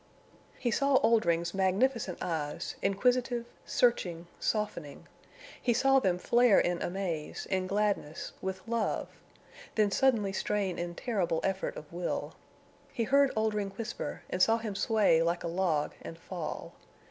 He saw Oldring's magnificent eyes, inquisitive, searching, softening. He saw them flare in amaze, in gladness, with love, then suddenly strain in terrible effort of will. He heard Oldring whisper and saw him sway like a log and fall.